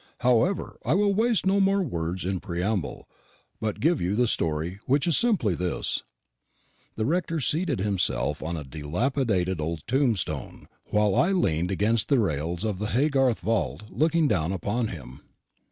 However, I will waste no more words in preamble, but give you the story, which is simply this:" The rector seated himself on a dilapidated old tombstone, while I leaned against the rails of the Haygarth vault, looking down upon him.